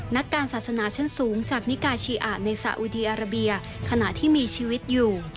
นักการศาสนาชั้นสูงจากนิกาชีอาในสาอุดีอาราเบียขณะที่มีชีวิตอยู่